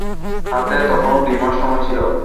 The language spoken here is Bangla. হাতে তখনো দুই মাস সময় ছিল।